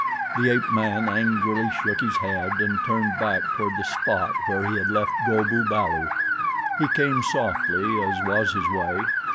The ape man angrily shook his head and turned back toward the spot where he had left Go bu balu. He came softly, as was his way.